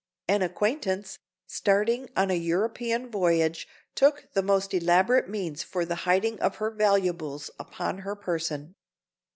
An acquaintance, starting on a European voyage, took the most elaborate means for the hiding of her valuables upon her person.